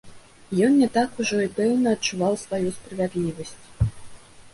Ён не так ужо і пэўна адчуваў сваю справядлівасць.